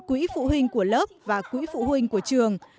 quỹ phụ huynh của lớp và quỹ phụ huynh của trường